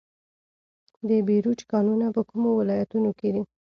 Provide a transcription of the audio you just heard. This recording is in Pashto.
د بیروج کانونه په کومو ولایتونو کې دي؟